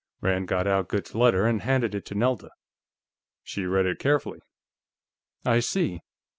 Rand got out Goode's letter and handed it to Nelda. She read it carefully. "I see."